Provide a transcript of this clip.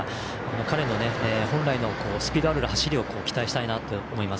彼の本来のスピードある走りを期待したいなと思います。